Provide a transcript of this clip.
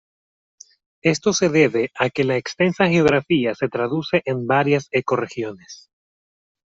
Esto se debe a que la extensa geografía se traduce en varias ecorregiones.